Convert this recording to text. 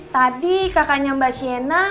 tadi kakaknya mbak sienna